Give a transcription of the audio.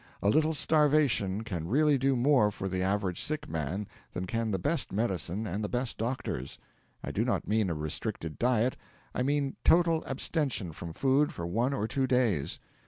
A little starvation can really do more for the average sick man than can the best medicines and the best doctors. I do not mean a restricted diet; I mean total abstention from food for one or two days.